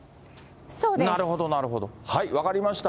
なるほど、なるほど、分かりました。